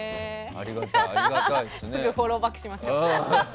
すぐにフォローバックしましょうね。